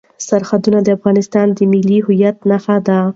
سرحدونه د افغانستان د ملي هویت نښه ده.